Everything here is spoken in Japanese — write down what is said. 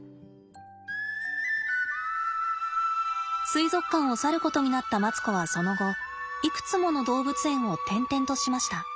水族館を去ることになったマツコはその後いくつもの動物園を転々としました。